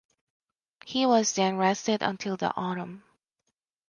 He was then rested until the autumn.